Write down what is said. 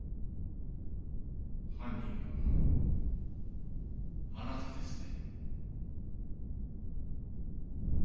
犯人はあなたですね。